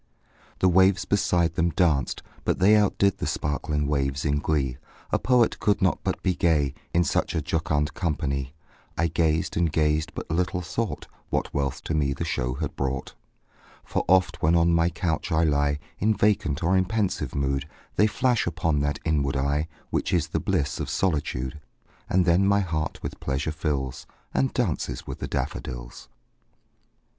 The waves beside them danced; but they Outdid the sparkling waves in glee; A poet could not but be gay, In such a jocund company; I gazed and gazed but little thought What wealth to me the show had brought: For oft, when on my couch I lie In vacant or in pensive mood, They flash upon that inward eye Which is the bliss of solitude; And then my heart with pleasure fills, And dances with the daffodils.